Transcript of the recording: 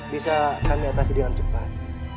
bisa kami atasi dengan cepat